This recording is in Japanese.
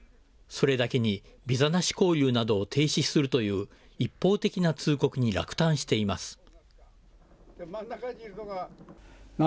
それだけにビザなし交流などを停止するという一方的な通告に落胆しています。